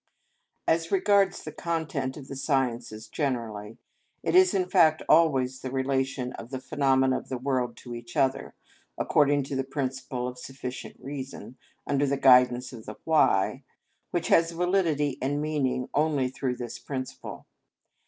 As regards the content of the sciences generally, it is, in fact, always the relation of the phenomena of the world to each other, according to the principle of sufficient reason, under the guidance of the why, which has validity and meaning only through this principle.